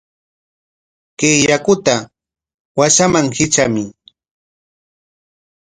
Kay yakuta washaman hitramuy.